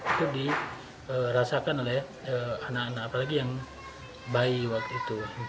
itu dirasakan oleh anak anak apalagi yang bayi waktu itu